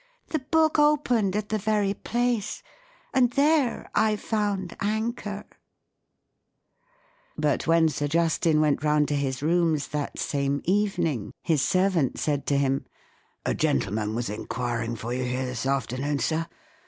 The book opened at the very place; and there I found anchor !" But when Sir Justin went round to his rooms that same evening his servant said to him, " A gentleman was inquiring for you here this afternoon, sir.